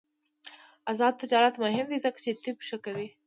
آزاد تجارت مهم دی ځکه چې طب ښه کوي.